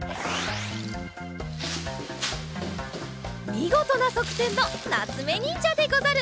みごとなそくてんのなつめにんじゃでござる。